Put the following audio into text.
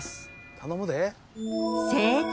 頼むで。